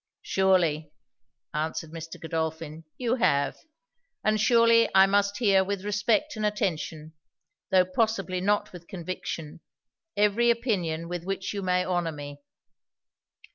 'Surely,' answered Mr. Godolphin, 'you have; and surely I must hear with respect and attention, tho' possibly not with conviction, every opinion with which you may honour me.'